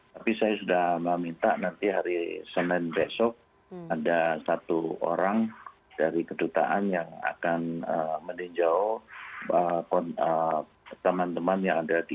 tapi saya sudah meminta nanti hari senin besok ada satu orang dari kedutaan yang akan meninjau teman teman yang ada di